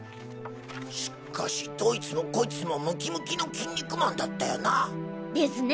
しっかしどいつもこいつもムキムキの筋肉マンだったよな。ですね。